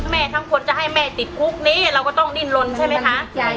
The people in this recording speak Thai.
แม่ทั้งคนจะให้แม่ติดคุกนี้เราก็ต้องดิ้นลนใช่ไหมคะ